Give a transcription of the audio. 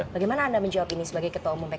bagaimana anda menjawab ini sebagai ketua umum pkb